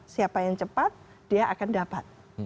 siapa yang cepat dia akan dapat